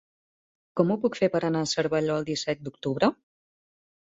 Com ho puc fer per anar a Cervelló el disset d'octubre?